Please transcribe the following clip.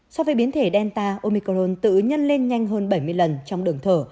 so với biến thể delta omicrone tự nhân lên nhanh hơn bảy mươi lần trong đường thở